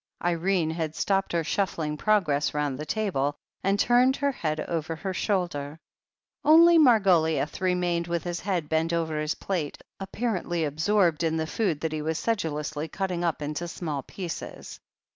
Irene had stopped her shuffling progress round the table, and turned her head over her shoulder. Only Margoliouth remained with his head bent over his plate, apparently absorbed in the food that he was sedulously cutting up into small pieces.